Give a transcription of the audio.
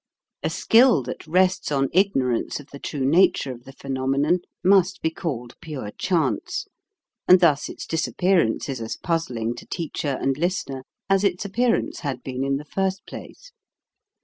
A skill that rests on ignorance of the true nature of the phenomenon must be called pure chance, and thus its disappear ance is as puzzling to teacher and listener as its appearance had been in the first place.